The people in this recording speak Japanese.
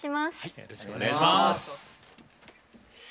よろしくお願いします。